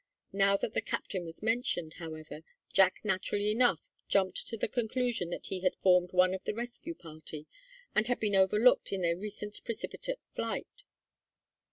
Now that the captain was mentioned, however, Jack, naturally enough, jumped to the conclusion that he had formed one of the rescue party, and had been overlooked in their recent precipitate flight.